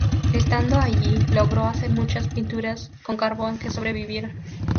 Estando allí logró hacer muchas pinturas con carbón que sobrevivieron.